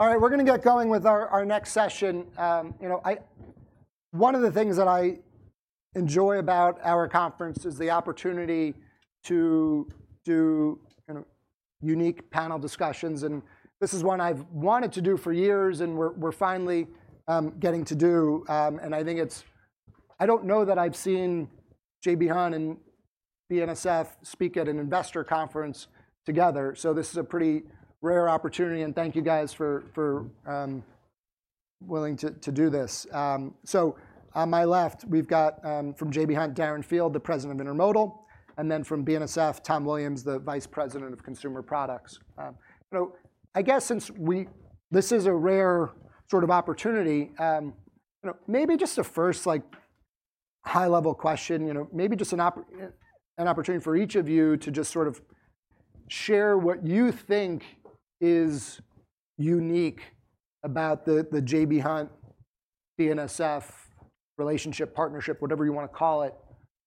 All right, we're gonna get going with our next session. You know, one of the things that I enjoy about our conference is the opportunity to do kind of unique panel discussions, and this is one I've wanted to do for years, and we're finally getting to do. I think it's, I don't know that I've seen J.B. Hunt and BNSF speak at an investor conference together, so this is a pretty rare opportunity, and thank you guys for willing to do this. So on my left, we've got from J.B. Hunt, Darren Field, the President of Intermodal, and then from BNSF, Tom Williams, the Vice President of Consumer Products. So I guess since we, this is a rare sort of opportunity, you know, maybe just a first, like, high-level question. You know, maybe just an opportunity for each of you to just sort of share what you think is unique about the, the J.B. Hunt, BNSF relationship, partnership, whatever you wanna call it,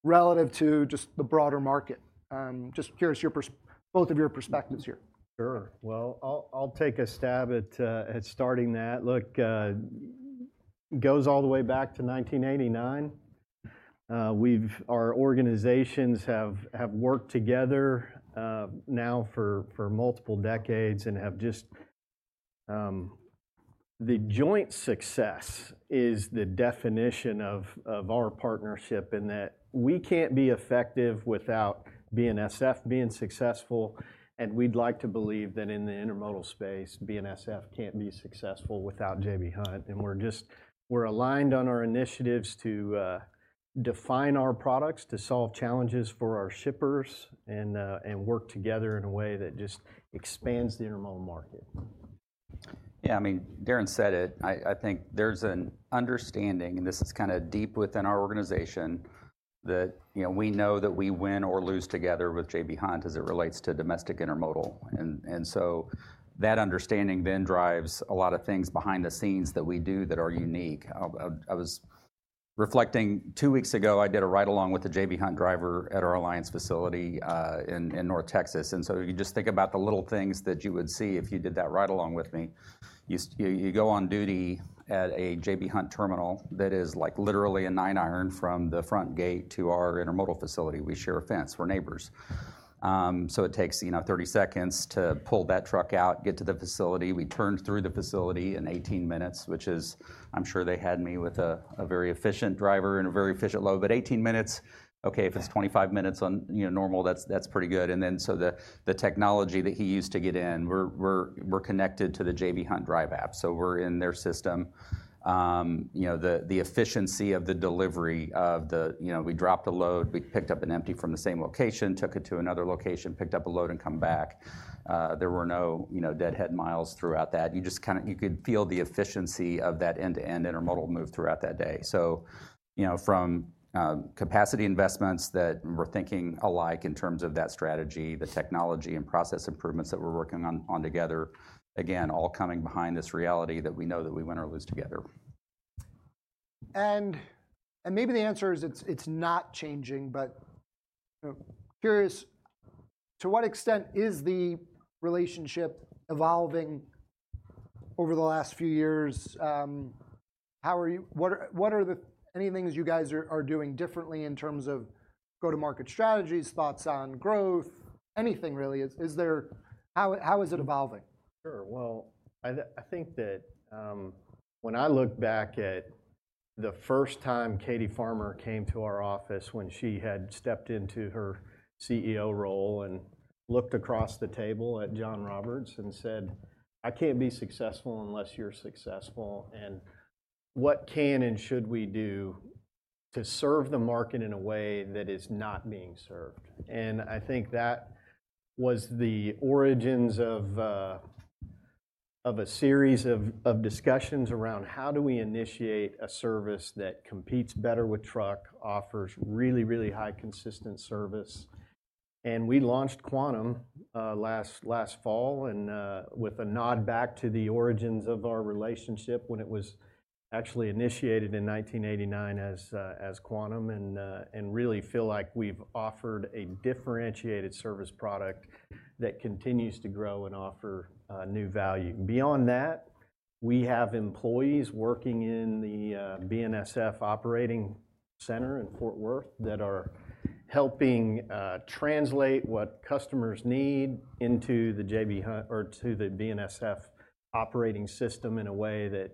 relative to just the broader market. Just curious, both of your perspectives here. Sure. Well, I'll take a stab at starting that. Look, goes all the way back to 1989. Our organizations have worked together now for multiple decades and have just. The joint success is the definition of our partnership, in that we can't be effective without BNSF being successful, and we'd like to believe that in the intermodal space, BNSF can't be successful without J.B. Hunt. And we're aligned on our initiatives to define our products, to solve challenges for our shippers, and work together in a way that just expands the intermodal market. Yeah, I mean, Darren said it. I think there's an understanding, and this is kind of deep within our organization, that, you know, we know that we win or lose together with J.B. Hunt as it relates to domestic intermodal. And so that understanding then drives a lot of things behind the scenes that we do that are unique. I was reflecting, two weeks ago, I did a ride-along with a J.B. Hunt driver at our Alliance facility in North Texas, and so you just think about the little things that you would see if you did that ride-along with me. You, you go on duty at a J.B. Hunt terminal that is, like, literally a nine iron from the front gate to our intermodal facility. We share a fence. We're neighbors. So it takes, you know, 30 seconds to pull that truck out, get to the facility. We turned through the facility in 18 minutes, which is, I'm sure they had me with a very efficient driver and a very efficient load, but 18 minutes? Okay, if it's 25 minutes on, you know, normal, that's pretty good. And then, so the technology that he used to get in, we're connected to the J.B. Hunt Drive app, so we're in their system. You know, the efficiency of the delivery of the, you know, we dropped a load, we picked up an empty from the same location, took it to another location, picked up a load, and come back. There were no, you know, deadhead miles throughout that. You just kind of you could feel the efficiency of that end-to-end intermodal move throughout that day. So, you know, from capacity investments, that we're thinking alike in terms of that strategy, the technology and process improvements that we're working on together, again, all coming behind this reality that we know that we win or lose together. Maybe the answer is it's not changing, but you know, to what extent is the relationship evolving over the last few years? How are you—what are any things you guys are doing differently in terms of go-to-market strategies, thoughts on growth? Anything, really. Is there, how is it evolving? Sure. Well, I think that when I look back at the first time Katie Farmer came to our office when she had stepped into her CEO role and looked across the table at John Roberts and said: "I can't be successful unless you're successful," and, "What can and should we do to serve the market in a way that is not being served?" And I think that was the origins of a series of discussions around: How do we initiate a service that competes better with truck, offers really, really high, consistent service? We launched Quantum last fall, with a nod back to the origins of our relationship when it was actually initiated in 1989 as Quantum, and really feel like we've offered a differentiated service product that continues to grow and offer new value. Beyond that, we have employees working in the BNSF operating center in Fort Worth that are helping translate what customers need into the J.B. Hunt or to the BNSF operating system in a way that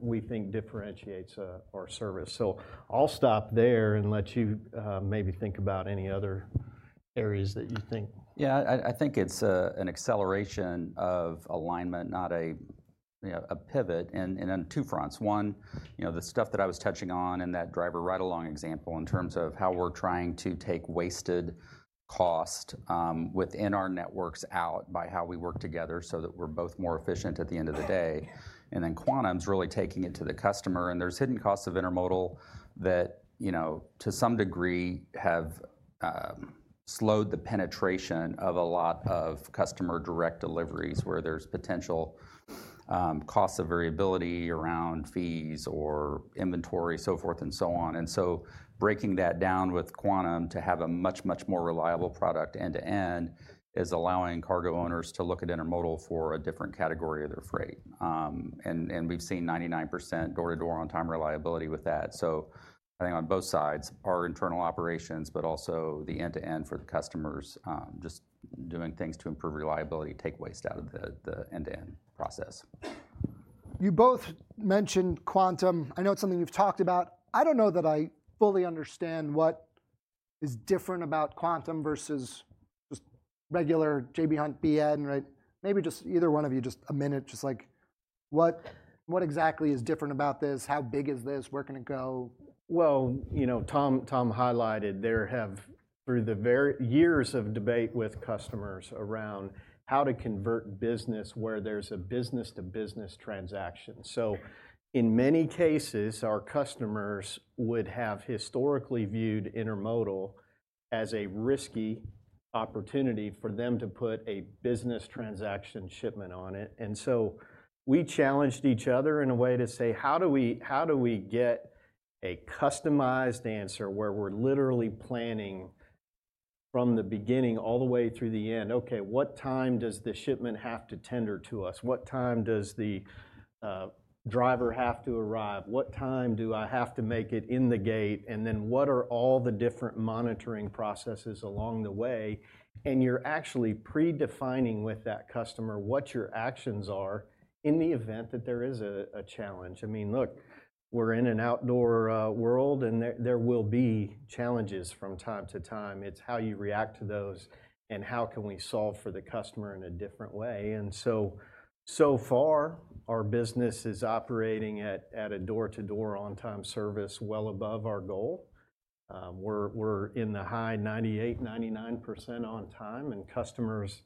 we think differentiates our service. So I'll stop there and let you maybe think about any other areas that you think. Yeah, I think it's an acceleration of alignment, not a, you know, a pivot, and on two fronts. One, you know, the stuff that I was touching on in that driver ride-along example, in terms of how we're trying to take wasted cost within our networks out by how we work together so that we're both more efficient at the end of the day. And then Quantum's really taking it to the customer, and there's hidden costs of intermodal that, you know, to some degree, have slowed the penetration of a lot of customer direct deliveries, where there's potential costs of variability around fees or inventory, so forth and so on. And so breaking that down with Quantum to have a much, much more reliable product end to end is allowing cargo owners to look at intermodal for a different category of their freight. We've seen 99% door-to-door on-time reliability with that. So I think on both sides, our internal operations, but also the end-to-end for the customers, just doing things to improve reliability, take waste out of the end-to-end process. You both mentioned Quantum. I know it's something you've talked about. I don't know that I fully understand what is different about Quantum versus just regular J.B. Hunt, BNSF, right? Maybe just either one of you, just a minute, just like, what, what exactly is different about this? How big is this? Where can it go? Well, you know, Tom, Tom highlighted, there have, through the very years of debate with customers around how to convert business where there's a business-to-business transaction. So in many cases, our customers would have historically viewed intermodal as a risky opportunity for them to put a business transaction shipment on it. And so we challenged each other in a way to say, "How do we, how do we get a customized answer where we're literally planning from the beginning all the way through the end? Okay, what time does the shipment have to tender to us? What time does the driver have to arrive? What time do I have to make it in the gate? And then what are all the different monitoring processes along the way?" And you're actually predefining with that customer what your actions are in the event that there is a challenge. I mean, look, we're in an outdoor world, and there will be challenges from time to time. It's how you react to those, and how can we solve for the customer in a different way? So far, our business is operating at a door-to-door, on-time service well above our goal. We're in the high 98, 99% on time, and customers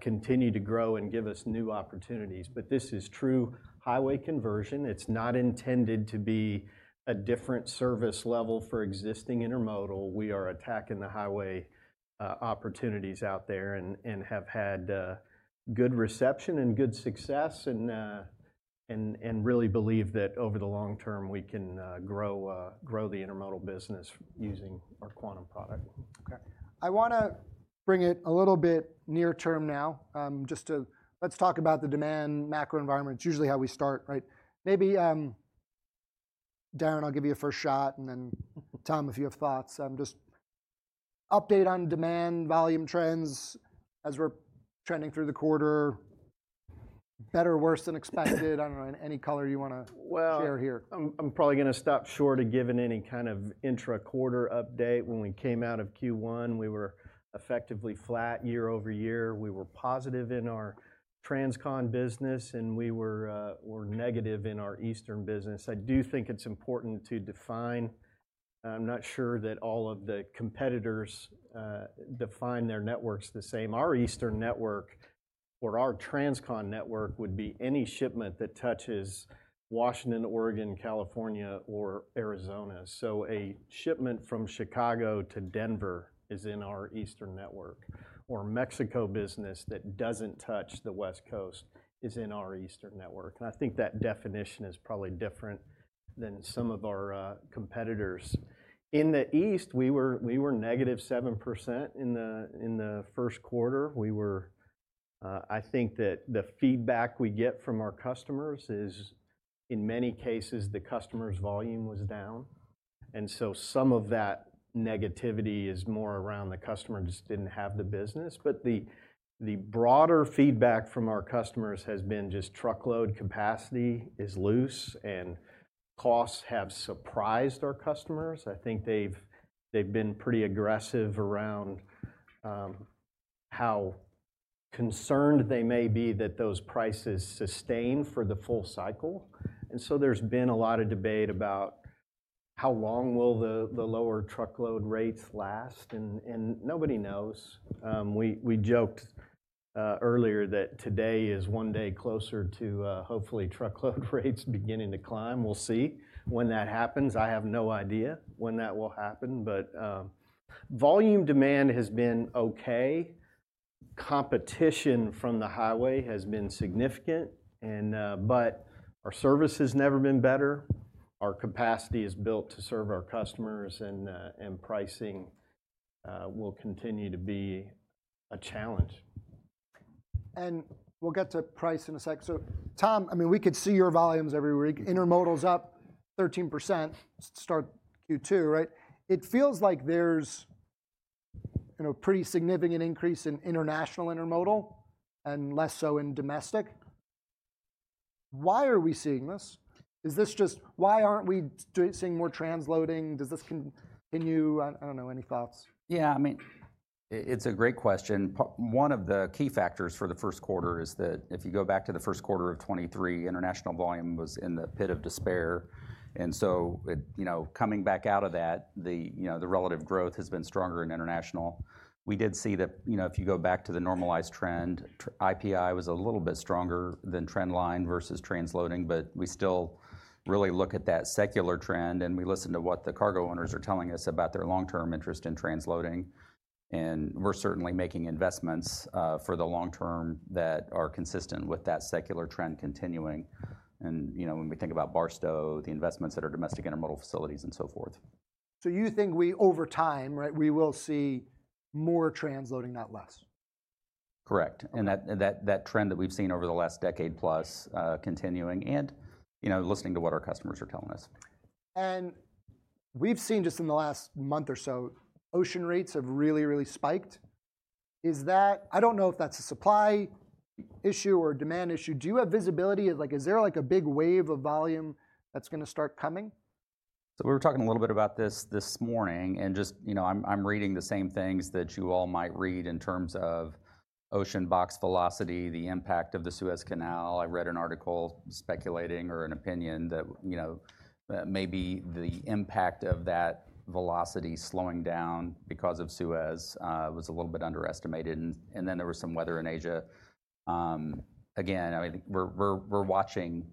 continue to grow and give us new opportunities. But this is true highway conversion. It's not intended to be a different service level for existing intermodal. We are attacking the highway opportunities out there and have had good reception and good success, and really believe that over the long term, we can grow the intermodal business using our Quantum product. Okay, I wanna bring it a little bit near term now. Let's talk about the demand, macro environment. It's usually how we start, right? Maybe, Darren, I'll give you a first shot, and then Tom, if you have thoughts. Just update on demand, volume trends, as we're trending through the quarter. Better, worse than expected? I don't know, any color you wanna share here. Well I'm probably gonna stop short of giving any kind of intra-quarter update. When we came out of Q1, we were effectively flat year-over-year. We were positive in our Transcon business, and we were negative in our Eastern business. I do think it's important to define, and I'm not sure that all of the competitors define their networks the same. Our Eastern network or our Transcon network would be any shipment that touches Washington, Oregon, California, or Arizona. So a shipment from Chicago to Denver is in our Eastern network, or Mexico business that doesn't touch the West Coast is in our Eastern network. And I think that definition is probably different than some of our competitors. In the East, we were negative 7% in the first quarter. We were, I think that the feedback we get from our customers is, in many cases, the customer's volume was down, and so some of that negativity is more around the customer just didn't have the business. But the broader feedback from our customers has been just truckload capacity is loose, and costs have surprised our customers. I think they've been pretty aggressive around how concerned they may be that those prices sustain for the full cycle. And so there's been a lot of debate about how long will the lower truckload rates last, and nobody knows. We joked earlier that today is one day closer to hopefully truckload rates beginning to climb. We'll see when that happens. I have no idea when that will happen, but volume demand has been okay. Competition from the highway has been significant, and, but our service has never been better. Our capacity is built to serve our customers, and, and pricing, will continue to be a challenge. We'll get to price in a sec. So, Tom, I mean, we could see your volumes every week. Intermodal's up 13%, start Q2, right? It feels like there's, you know, a pretty significant increase in international intermodal and less so in domestic. Why are we seeing this? Is this just— Why aren't we seeing more transloading? Does this continue? I don't know. Any thoughts? Yeah, I mean, it's a great question. One of the key factors for the first quarter is that if you go back to the first quarter of 2023, international volume was in the pit of despair. And so it, you know, coming back out of that, the, you know, the relative growth has been stronger in international. We did see that, you know, if you go back to the normalized trend, IPI was a little bit stronger than trend line versus transloading, but we still really look at that secular trend, and we listen to what the cargo owners are telling us about their long-term interest in transloading. And we're certainly making investments for the long term that are consistent with that secular trend continuing. And, you know, when we think about Barstow, the investments that are domestic intermodal facilities and so forth. So you think we, over time, right, we will see more transloading, not less? Correct. Okay. And that trend that we've seen over the last decade plus, continuing, and, you know, listening to what our customers are telling us. We've seen just in the last month or so, ocean rates have really, really spiked. Is that, I don't know if that's a supply issue or a demand issue. Do you have visibility? Like, is there, like, a big wave of volume that's gonna start coming? So we were talking a little bit about this this morning, and just, you know, I'm reading the same things that you all might read in terms of ocean box velocity, the impact of the Suez Canal. I read an article speculating, or an opinion, that, you know, maybe the impact of that velocity slowing down because of Suez was a little bit underestimated. And then there was some weather in Asia. Again, I mean, we're watching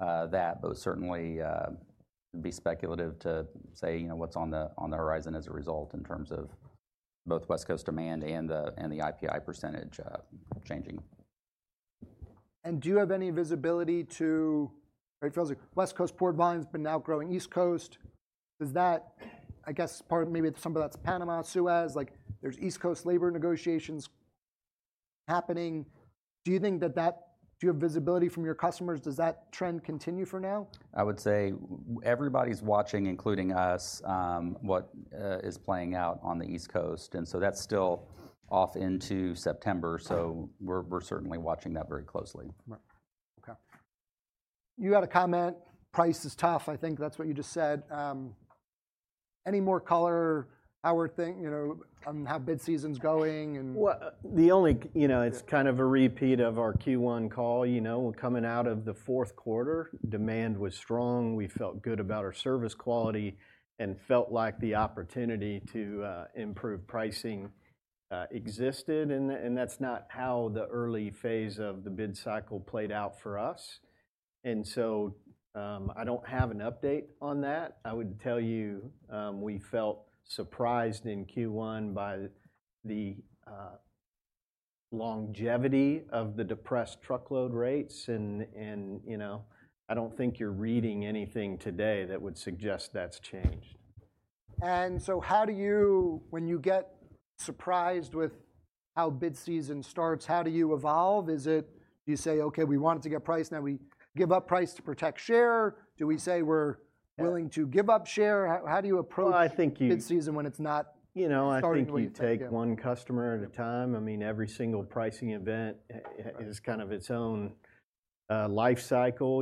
that, but certainly it'd be speculative to say, you know, what's on the horizon as a result in terms of both West Coast demand and the IPI percentage changing. Do you have any visibility to, it feels like West Coast port volume has been outgrowing East Coast. Does that, I guess, part of maybe that's some of that's Panama, Suez, like, there's East Coast labor negotiations happening. Do you think that, do you have visibility from your customers? Does that trend continue for now? I would say everybody's watching, including us, what is playing out on the East Coast, and so that's still off into September, so we're certainly watching that very closely. Right. Okay. You had a comment. Price is tough, I think that's what you just said. Any more color, Howard, thing, you know, on how bid season's going and- Well, you know, it's kind of a repeat of our Q1 call, you know. Coming out of the fourth quarter, demand was strong. We felt good about our service quality and felt like the opportunity to improve pricing existed, and that's not how the early phase of the bid cycle played out for us. And so, I don't have an update on that. I would tell you, we felt surprised in Q1 by the longevity of the depressed truckload rates, and, you know, I don't think you're reading anything today that would suggest that's changed. How do you, when you get surprised with how bid season starts, how do you evolve? Is it, do you say, "Okay, we wanted to get price, now we give up price to protect share?" Do we say we're- Yeah -willing to give up share? How, how do you approach- Well, I think you- -bid season when it's not- You know, I think- -starting the way you thought it would? -you take one customer at a time. I mean, every single pricing event, Right -is kind of its own life cycle.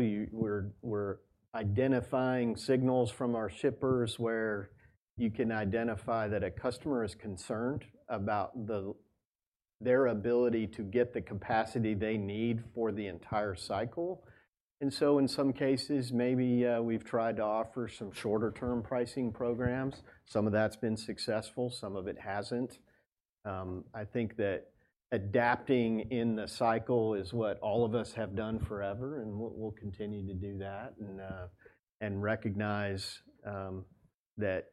We're identifying signals from our shippers where you can identify that a customer is concerned about their ability to get the capacity they need for the entire cycle. And so in some cases, maybe, we've tried to offer some shorter term pricing programs. Some of that's been successful, some of it hasn't. I think that adapting in the cycle is what all of us have done forever, and we'll continue to do that, and recognize that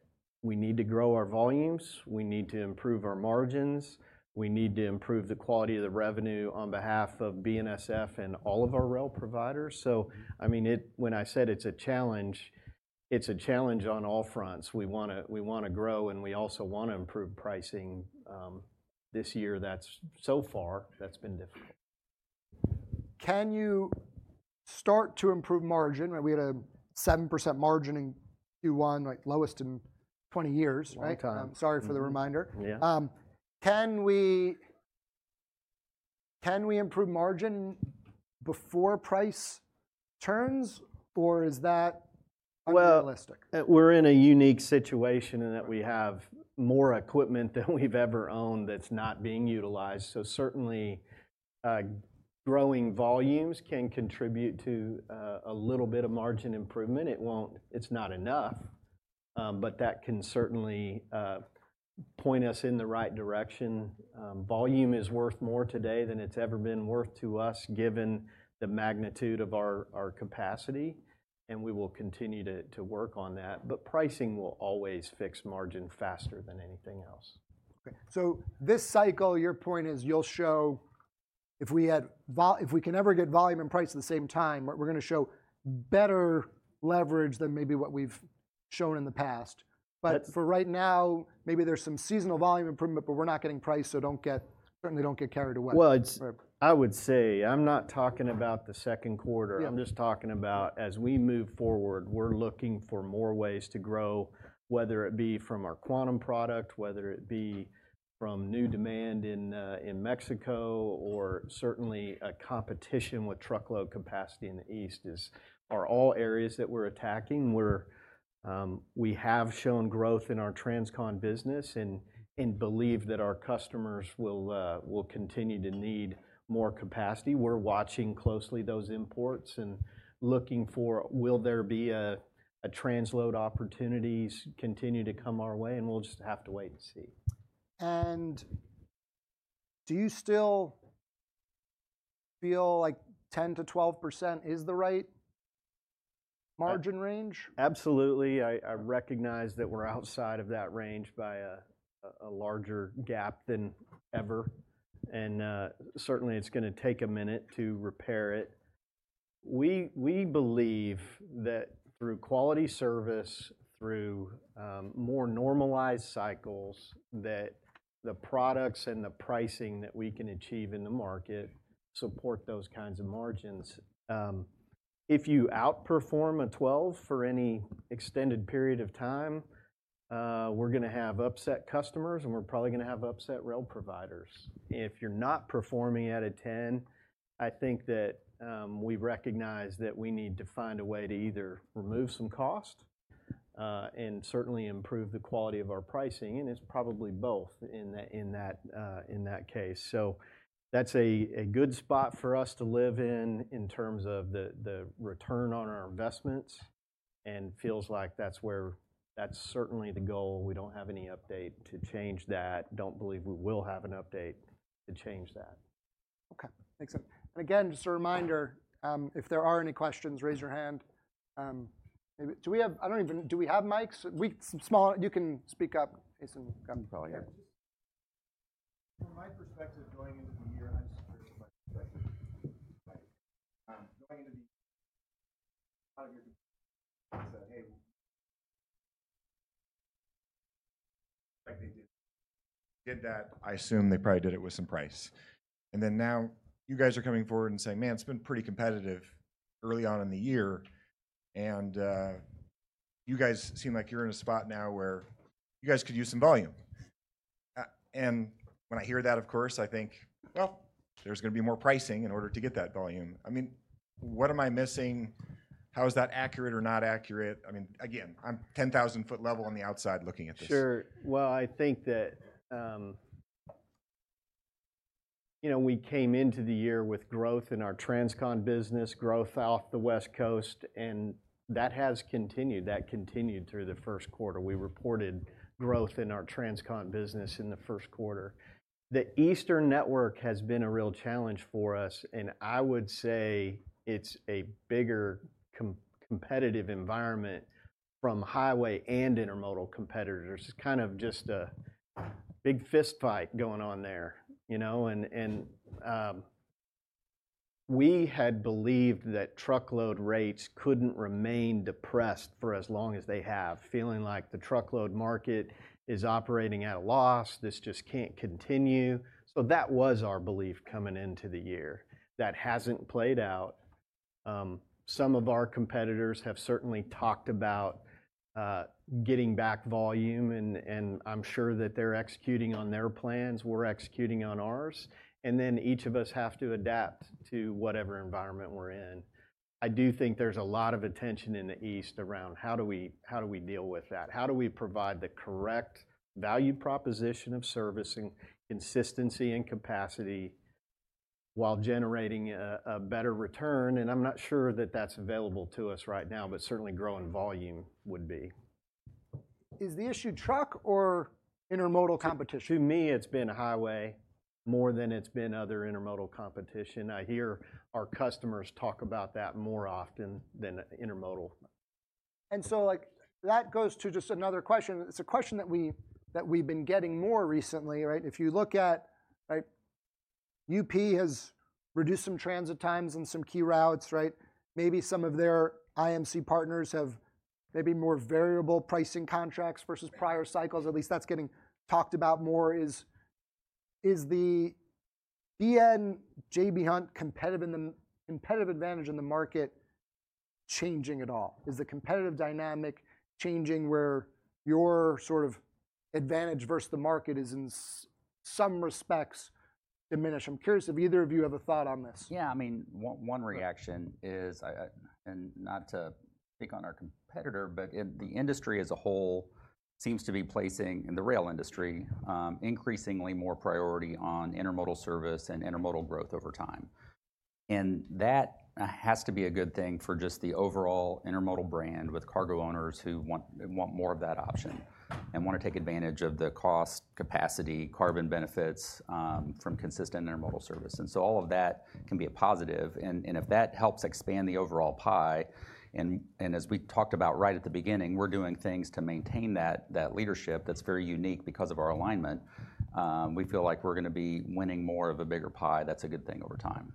we need to grow our volumes. We need to improve our margins. We need to improve the quality of the revenue on behalf of BNSF and all of our rail providers. So, I mean, it, when I said it's a challenge, it's a challenge on all fronts. We wanna grow, and we also wanna improve pricing. This year, so far, that's been difficult. Can you start to improve margin? Right, we had a 7% margin in Q1, like lowest in 20 years, right? Long time. I'm sorry for the reminder. Mm-hmm. Yeah. Can we improve margin before price turns, or is that unrealistic? Well, we're in a unique situation in that we have more equipment than we've ever owned that's not being utilized. So certainly, growing volumes can contribute to a little bit of margin improvement. It won't, it's not enough, but that can certainly point us in the right direction. Volume is worth more today than it's ever been worth to us, given the magnitude of our capacity, and we will continue to work on that. But pricing will always fix margin faster than anything else. Okay, so this cycle, your point is, you'll show, if we can ever get volume and price at the same time, we're, we're gonna show better leverage than maybe what we've shown in the past. That- But for right now, maybe there's some seasonal volume improvement, but we're not getting price, so don't get, certainly don't get carried away. Well, it's- Right -I would say, I'm not talking about the second quarter. Yeah. I'm just talking about as we move forward, we're looking for more ways to grow, whether it be from our Quantum product, whether it be from new demand in Mexico, or certainly, competition with truckload capacity in the East, are all areas that we're attacking. We have shown growth in our Transcon business, and believe that our customers will continue to need more capacity. We're watching closely those imports and looking for, will there be a transload opportunities continue to come our way? And we'll just have to wait and see. Do you still feel like 10%-12% is the right margin range? Absolutely. I recognize that we're outside of that range by a larger gap than ever, and certainly, it's gonna take a minute to repair it. We believe that through quality service, through more normalized cycles, that the products and the pricing that we can achieve in the market support those kinds of margins. If you outperform a 12 for any extended period of time, we're gonna have upset customers, and we're probably gonna have upset rail providers. If you're not performing at a 10, I think that we recognize that we need to find a way to either remove some cost, and certainly improve the quality of our pricing, and it's probably both in that case. That's a good spot for us to live in, in terms of the return on our investments, and feels like that's where that's certainly the goal. We don't have any update to change that. Don't believe we will have an update to change that. Okay, thanks. And again, just a reminder, if there are any questions, raise your hand. Do we have mics? You can speak up. Jason, come probably here. From my perspective, going into the year, I said, "Hey." Did that. I assume they probably did it with some price. And then, now you guys are coming forward and saying, "Man, it's been pretty competitive early on in the year," and you guys seem like you're in a spot now where you guys could use some volume. And when I hear that, of course, I think, well, there's gonna be more pricing in order to get that volume. I mean, what am I missing? How is that accurate or not accurate? I mean, again, I'm 10,000-foot level on the outside, looking at this. Sure. Well, I think that, you know, we came into the year with growth in our Transcon business, growth off the West Coast, and that has continued. That continued through the first quarter. We reported growth in our Transcon business in the first quarter. The eastern network has been a real challenge for us, and I would say it's a bigger competitive environment from highway and intermodal competitors. Kind of just a big fistfight going on there, you know? We had believed that truckload rates couldn't remain depressed for as long as they have. Feeling like the truckload market is operating at a loss, this just can't continue. So that was our belief coming into the year. That hasn't played out. Some of our competitors have certainly talked about getting back volume, and I'm sure that they're executing on their plans. We're executing on ours, and then each of us have to adapt to whatever environment we're in. I do think there's a lot of attention in the East around how do we, how do we deal with that? How do we provide the correct value proposition of service and consistency and capacity, while generating a, a better return? And I'm not sure that that's available to us right now, but certainly growing volume would be. Is the issue truck or intermodal competition? To me, it's been highway more than it's been other intermodal competition. I hear our customers talk about that more often than intermodal. And so, like, that goes to just another question. It's a question that we've been getting more recently, right? If you look at, right, UP has reduced some transit times in some key routes, right? Maybe some of their IMC partners have maybe more variable pricing contracts versus prior cycles. At least that's getting talked about more. Is the J.B. Hunt competitive advantage in the market changing at all? Is the competitive dynamic changing, where your sort of advantage versus the market is, in some respects, diminished? I'm curious if either of you have a thought on this. Yeah, I mean, one reaction is, and not to speak on our competitor, but the industry as a whole seems to be placing, in the rail industry, increasingly more priority on intermodal service and intermodal growth over time. And that has to be a good thing for just the overall intermodal brand with cargo owners who want more of that option, and want to take advantage of the cost, capacity, carbon benefits from consistent intermodal service. And so all of that can be a positive, and if that helps expand the overall pie, and as we talked about right at the beginning, we're doing things to maintain that leadership that's very unique because of our alignment. We feel like we're gonna be winning more of a bigger pie. That's a good thing over time.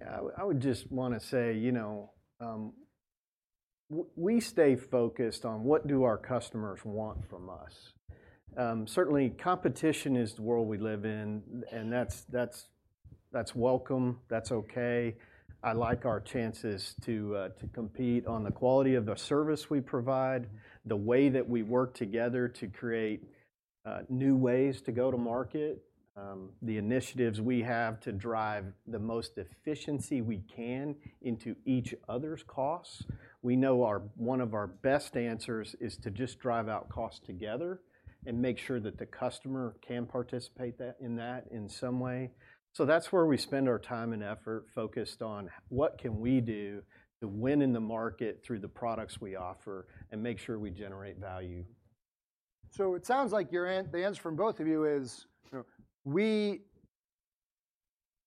Yeah, I would, I would just wanna say, you know, we stay focused on: What do our customers want from us? Certainly, competition is the world we live in, and that's welcome. That's okay. I like our chances to to compete on the quality of the service we provide, the way that we work together to create new ways to go to market, the initiatives we have to drive the most efficiency we can into each other's costs. We know our one of our best answers is to just drive out costs together and make sure that the customer can participate that, in that in some way. So that's where we spend our time and effort, focused on: What can we do to win in the market through the products we offer and make sure we generate value? So it sounds like your answer from both of you is, you know,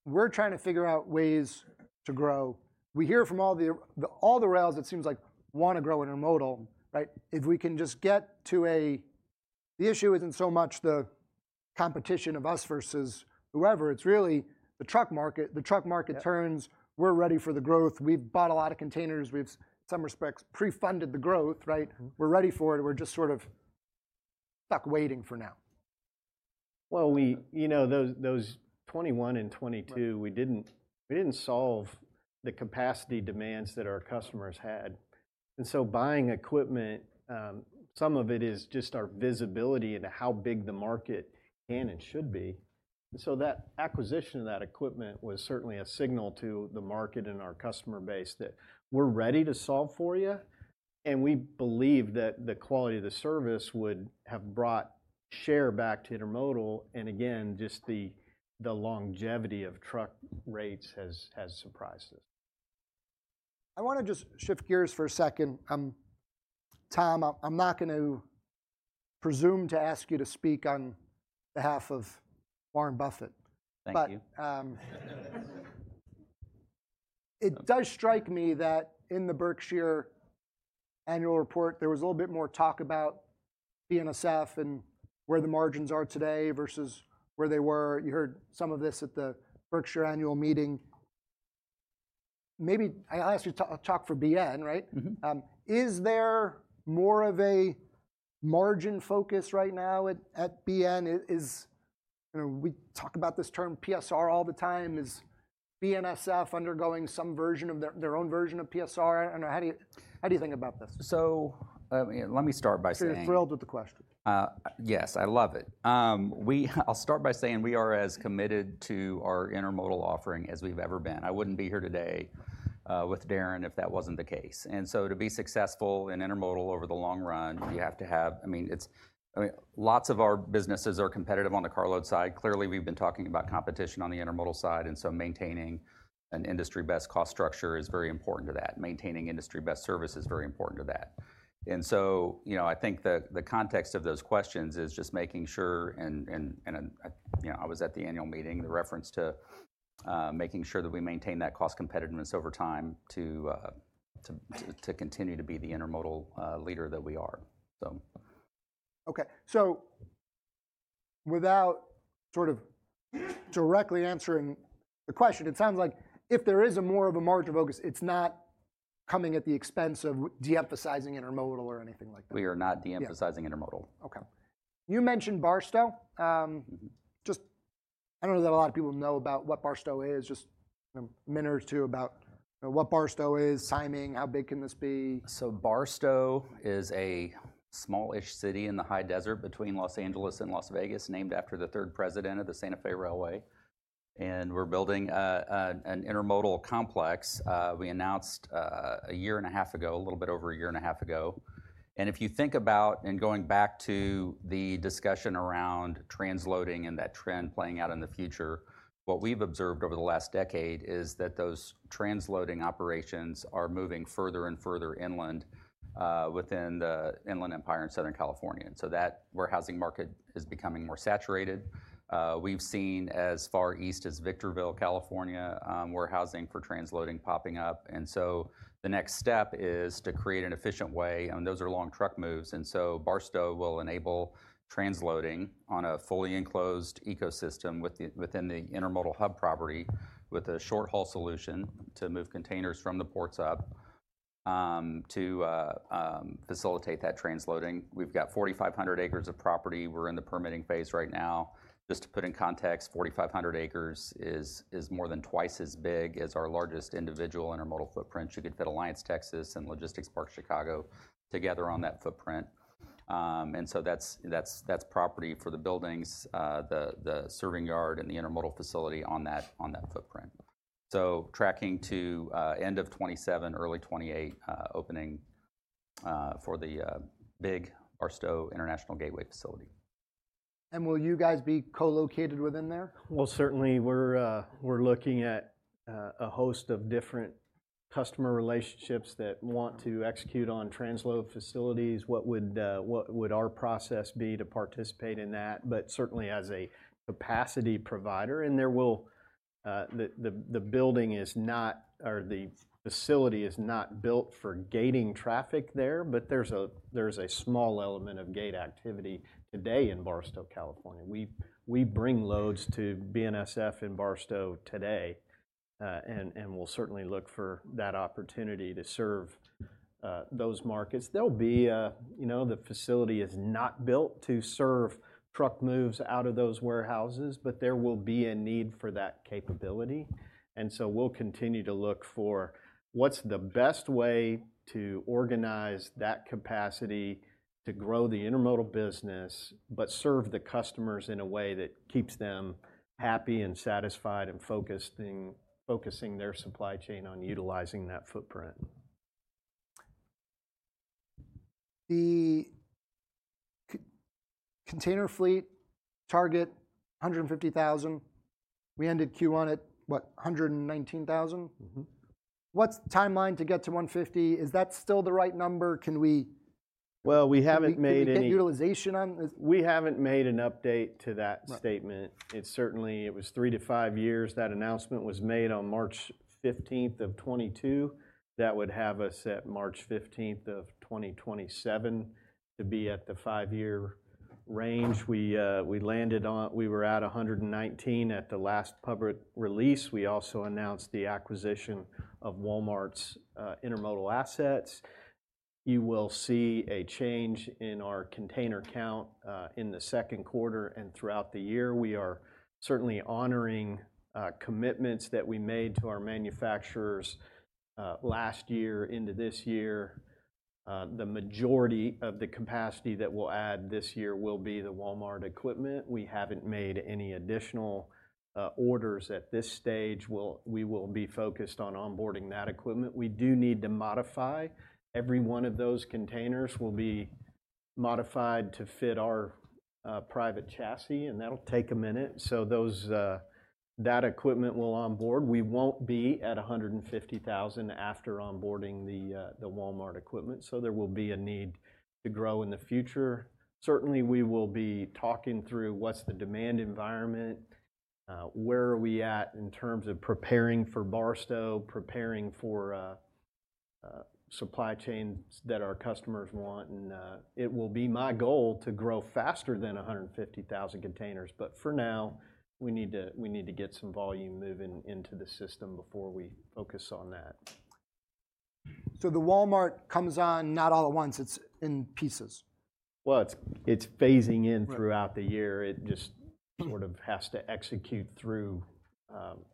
"We-we're trying to figure out ways to grow." We hear from all the rails it seems like, wanna grow intermodal, right? If we can just get to the issue isn't so much the competition of us versus whoever, it's really the truck market. The truck market turns-Yeah. We're ready for the growth. We've bought a lot of containers. We've, in some respects, pre-funded the growth, right? We're ready for it. We're just sort of stuck waiting for now. Well, we, you know, those 2021 and 2022 we didn't solve the capacity demands that our customers had. And so buying equipment, some of it is just our visibility into how big the market can and should be. And so that acquisition of that equipment was certainly a signal to the market and our customer base that we're ready to solve for you, and we believe that the quality of the service would have brought share back to intermodal. And again, just the longevity of truck rates has surprised us. I wanna just shift gears for a second. Tom, I'm not going to presume to ask you to speak on behalf of Warren Buffett. Thank you. It does strike me that in the Berkshire annual report, there was a little bit more talk about BNSF and where the margins are today versus where they were. You heard some of this at the Berkshire annual meeting. Maybe I'll ask you to talk, talk for BN, right? Mm-hmm. Is there more of a margin focus right now at BN? Is, you know, we talk about this term PSR all the time. Is BNSF undergoing some version of their own version of PSR? I don't know. How do you think about this? Let me start by saying. Sure you're thrilled with the question. Yes, I love it. I'll start by saying we are as committed to our intermodal offering as we've ever been. I wouldn't be here today, with Darren, if that wasn't the case. So to be successful in intermodal over the long run, you have to have, I mean, lots of our businesses are competitive on the carload side. Clearly, we've been talking about competition on the intermodal side, and so maintaining an industry-best cost structure is very important to that. Maintaining industry-best service is very important to that. And so, you know, I think the context of those questions is just making sure, and you know, I was at the annual meeting, the reference to making sure that we maintain that cost competitiveness over time to continue to be the intermodal leader that we are, so. Okay. So without sort of directly answering the question, it sounds like if there is a more of a margin focus, it's not coming at the expense of de-emphasizing intermodal or anything like that? We are not de-emphasizing intermodal. Okay. You mentioned Barstow. Mm-hmm. Just, I don't know that a lot of people know about what Barstow is. Just a minute or two about what Barstow is, timing, how big can this be? So Barstow is a small-ish city in the high desert between Los Angeles and Las Vegas, named after the third president of the Santa Fe Railway. We're building an intermodal complex. We announced a year and a half ago, a little bit over a year and a half ago. If you think about going back to the discussion around transloading and that trend playing out in the future, what we've observed over the last decade is that those transloading operations are moving further and further inland within the Inland Empire in Southern California. So that warehousing market is becoming more saturated. We've seen as far east as Victorville, California, warehousing for transloading popping up. So the next step is to create an efficient way, and those are long truck moves. And so Barstow will enable transloading on a fully enclosed ecosystem with the within the intermodal hub property, with a short haul solution to move containers from the ports up to facilitate that transloading. We've got 4,500 acres of property. We're in the permitting phase right now. Just to put in context, 4,500 acres is more than twice as big as our largest individual intermodal footprint. You could fit Alliance, Texas, and Logistics Park Chicago together on that footprint. And so that's property for the buildings, the serving yard and the intermodal facility on that footprint. So tracking to end of 2027, early 2028 opening for the big Barstow International Gateway facility. Will you guys be co-located within there? Well, certainly we're looking at a host of different customer relationships that want to execute on transload facilities. What would our process be to participate in that? But certainly as a capacity provider, and there will. The building is not, or the facility is not built for gating traffic there, but there's a small element of gate activity today in Barstow, California. We bring loads to BNSF in Barstow today, and we'll certainly look for that opportunity to serve those markets. There'll be. You know, the facility is not built to serve truck moves out of those warehouses, but there will be a need for that capability. We'll continue to look for what's the best way to organize that capacity to grow the intermodal business, but serve the customers in a way that keeps them happy and satisfied and focusing their supply chain on utilizing that footprint. The container fleet target, 150,000. We ended Q1 at what? 119,000. Mm-hmm. What's the timeline to get to 150? Is that still the right number? Well, we haven't made any... Did we get utilization on this? We haven't made an update to that statement. Right. It certainly was 3-5 years. That announcement was made on March 15, 2022. That would have us at March 15, 2027 to be at the five-year range. We were at 119 at the last public release. We also announced the acquisition of Walmart's intermodal assets. You will see a change in our container count in the second quarter and throughout the year. We are certainly honoring commitments that we made to our manufacturers last year into this year. The majority of the capacity that we'll add this year will be the Walmart equipment. We haven't made any additional orders at this stage. We will be focused on onboarding that equipment. We do need to modify. Every one of those containers will be modified to fit our private chassis, and that'll take a minute. So those that equipment will onboard. We won't be at 150,000 after onboarding the the Walmart equipment, so there will be a need to grow in the future. Certainly, we will be talking through what's the demand environment, where are we at in terms of preparing for Barstow, preparing for supply chains that our customers want, and it will be my goal to grow faster than 150,000 containers. But for now, we need to, we need to get some volume moving into the system before we focus on that. The Walmart comes on, not all at once, it's in pieces? Well, it's phasing in throughout the year. It just sort of has to execute through,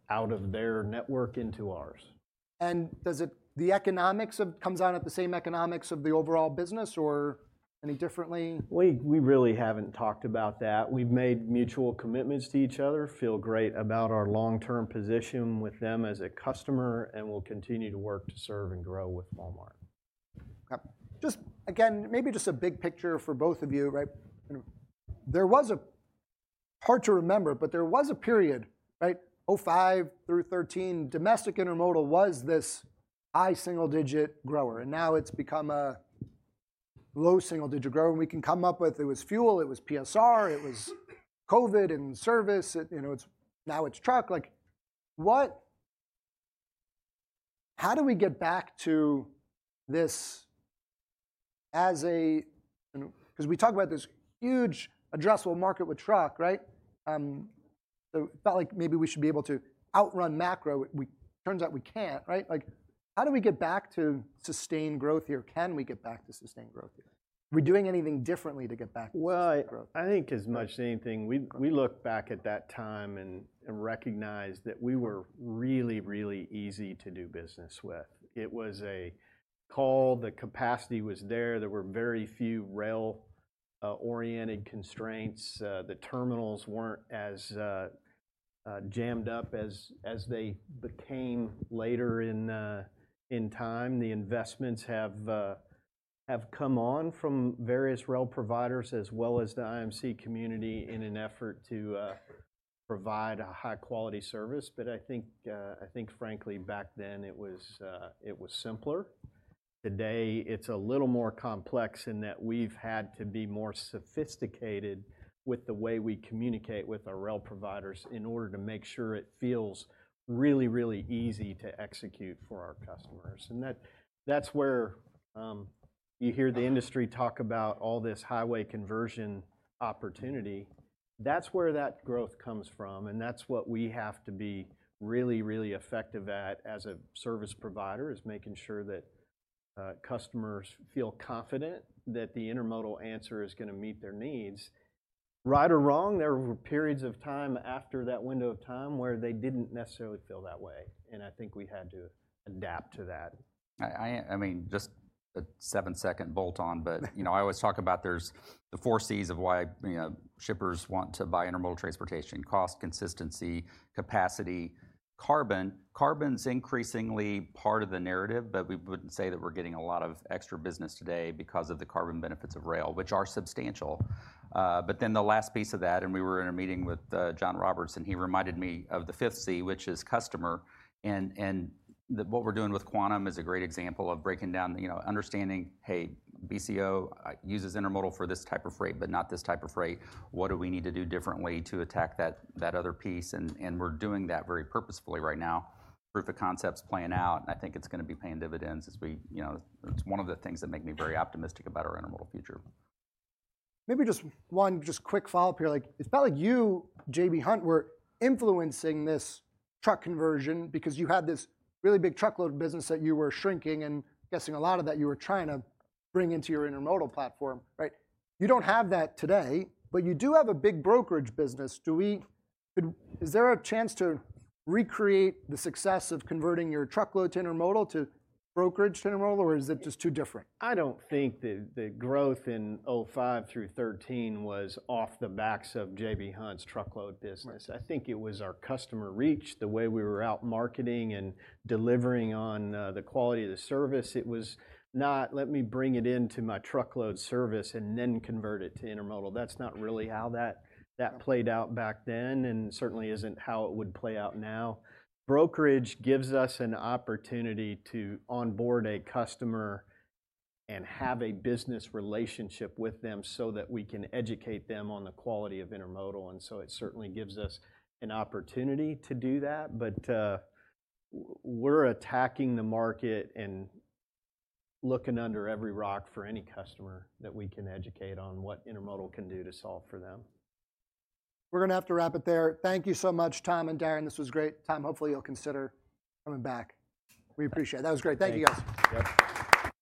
out of their network into ours. Does it come out at the same economics of the overall business or any differently? We really haven't talked about that. We've made mutual commitments to each other, feel great about our long-term position with them as a customer, and we'll continue to work to serve and grow with Walmart. Okay. Just again, maybe just a big picture for both of you, right? There was a hard to remember, but there was a period, right, 2005 through 2013, domestic intermodal was this high single digit grower, and now it's become a low single digit grower, and we can come up with, it was fuel, it was PSR, it was COVID and service. It, you know, it's, now it's truck. Like, how do we get back to this as a 'cause we talk about this huge addressable market with truck, right? So felt like maybe we should be able to outrun macro. We, turns out we can't, right? Like, how do we get back to sustained growth here? Can we get back to sustained growth here? Are we doing anything differently to get back to sustained growth? Well, I think as much as anything, we, we look back at that time and, and recognize that we were really, really easy to do business with. It was a call. The capacity was there. There were very few rail oriented constraints. The terminals weren't as jammed up as they became later in time. The investments have come on from various rail providers as well as the IMC community in an effort to provide a high-quality service. But I think, I think frankly, back then, it was simpler. Today, it's a little more complex in that we've had to be more sophisticated with the way we communicate with our rail providers in order to make sure it feels really, really easy to execute for our customers. That, that's where you hear the industry talk about all this highway conversion opportunity. That's where that growth comes from, and that's what we have to be really, really effective at as a service provider, is making sure that customers feel confident that the intermodal answer is gonna meet their needs. Right or wrong, there were periods of time after that window of time where they didn't necessarily feel that way, and I think we had to adapt to that. I mean, just a seven-second bolt on, but you know, I always talk about there's the four Cs of why, you know, shippers want to buy intermodal transportation: cost, consistency, capacity, carbon. Carbon's increasingly part of the narrative, but we wouldn't say that we're getting a lot of extra business today because of the carbon benefits of rail, which are substantial. But then the last piece of that, and we were in a meeting with John Roberts, he reminded me of the fifth C, which is customer. And what we're doing with Quantum is a great example of breaking down, you know, understanding, hey, BCO uses intermodal for this type of freight, but not this type of freight. What do we need to do differently to attack that other piece? And we're doing that very purposefully right now. Proof of concept's playing out, and I think it's gonna be paying dividends as we, you know, it's one of the things that make me very optimistic about our intermodal future. Maybe just one quick follow-up here. Like, it's felt like you, J.B. Hunt, were influencing this truck conversion because you had this really big truckload business that you were shrinking, and guessing a lot of that you were trying to bring into your intermodal platform, right? You don't have that today, but you do have a big brokerage business. Is there a chance to recreate the success of converting your truckload to intermodal, to brokerage to intermodal, or is it just too different? I don't think that the growth in 2005 through 2013 was off the backs of J.B. Hunt's truckload business. Right. I think it was our customer reach, the way we were out marketing and delivering on the quality of the service. It was not, "Let me bring it into my truckload service and then convert it to intermodal." That's not really how that played out back then, and certainly isn't how it would play out now. Brokerage gives us an opportunity to onboard a customer and have a business relationship with them, so that we can educate them on the quality of intermodal, and so it certainly gives us an opportunity to do that. But, we're attacking the market and looking under every rock for any customer that we can educate on what intermodal can do to solve for them. We're gonna have to wrap it there. Thank you so much, Tom and Darren. This was great. Tom, hopefully, you'll consider coming back. We appreciate it. That was great. Thank you. Thank you, guys.